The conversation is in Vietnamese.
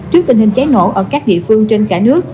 trước tình hình cháy nổ ở các địa phương trên cả nước